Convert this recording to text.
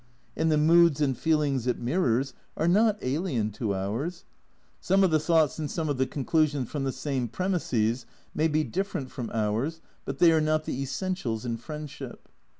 And the moods and feelings it mirrors are not alien to ours. Some of the thoughts and some of the conclusions from the same premises may be different from ours, but they are not the essentials in friendship.